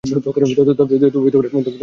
তবে এটি একটি ধারণা মাত্র।